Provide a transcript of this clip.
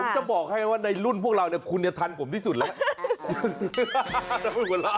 ผมจะบอกให้ว่าในรุ่นพวกเราเนี่ยคุณทันผมที่สุดแล้ว